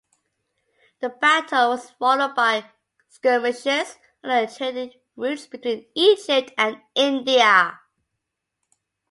The battle was followed by skirmishes along the trading routes between Egypt and India.